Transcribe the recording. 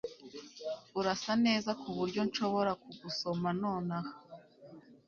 Urasa neza kuburyo nshobora kugusoma nonaha